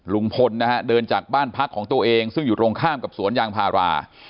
ลุงพลนะฮะเดินจากบ้านพักของตัวเองซึ่งอยู่ตรงข้ามกับสวนยางพารา